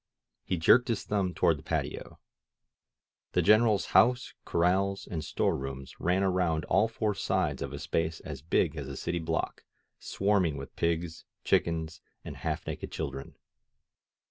He jerked his thumb toward the patio. The Greneral's house, corrals and store rooms ran around all four sides of a space as big as a city block, swarming with pigs, chickens and half naked children.